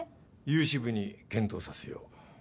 融資部に検討させよう。